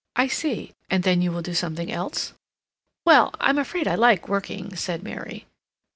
"I see. And then you will do something else." "Well, I'm afraid I like working," said Mary.